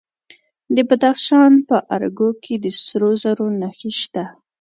د بدخشان په ارګو کې د سرو زرو نښې شته.